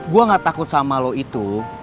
gue gak takut sama lo itu